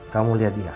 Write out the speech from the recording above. kamu liat dia